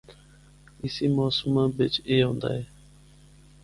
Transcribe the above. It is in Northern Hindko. اِسّی موسماں بچ اے ہوندا اے۔